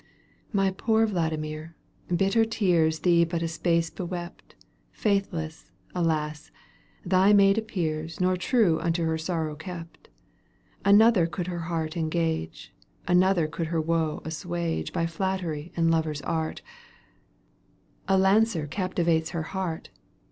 My poor Vladimir, bitter tears Thee but a little space bewept. Faithless, alas ! thy maid appears, Nor true unto her sorrow kept. Another could her heart engage, Another could her woe assuage By flattery and lover's art — A lancer captivates her heart